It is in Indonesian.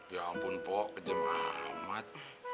ya ampun pok kejam amat